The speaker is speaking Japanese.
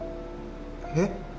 えっ？